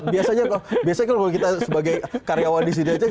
biasanya kalau kita sebagai karyawan disini aja